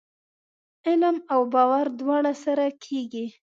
علم او باور دواړه سره کېږي ؟